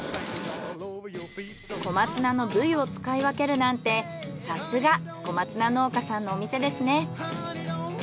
小松菜の部位を使い分けるなんてさすが小松菜農家さんのお店ですね。